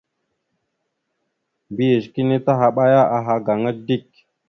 Mbiyez kini tahaɓaya aha gaŋa dik.